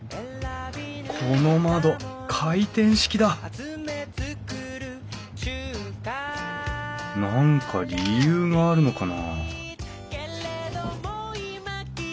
この窓回転式だ何か理由があるのかな？